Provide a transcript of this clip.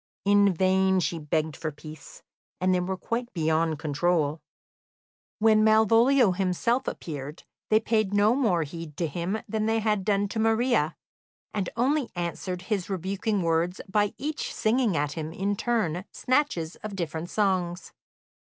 In vain she begged for peace; they were quite beyond control. When Malvolio himself appeared, they paid no more heed to him than they had done to Maria, and only answered his rebuking words by each singing at him in turn snatches of different songs.